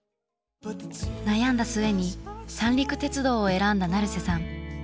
悩んだ末に三陸鉄道を選んだ成瀬さん。